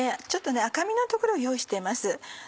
ちょっと赤身のところを用意しています。